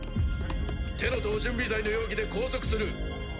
テロ等準備罪の容疑で拘束する。